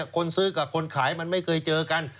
คนซื้อกับคนขายมันไม่เคยเจอกัน